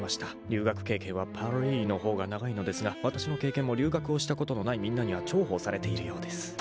「留学経験はパリの方が長いのですがわたしの経験も留学をしたことのないみんなには重宝されているようです」